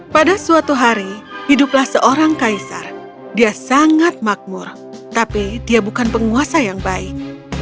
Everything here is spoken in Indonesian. pada suatu hari hiduplah seorang kaisar dia sangat makmur tapi dia bukan penguasa yang baik